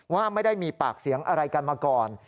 ว่าไม่ได้มีปากเสียงอะไรกันมาก่อน